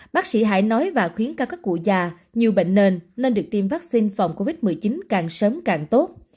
bác sĩ hãy nói và khuyến cáo các cụ già nhiều bệnh nền nên được tiêm vaccine phòng covid một mươi chín càng sớm càng tốt